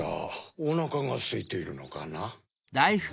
おなかがすいているのかな？